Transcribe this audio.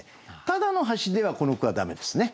ただの「橋」ではこの句は駄目ですね。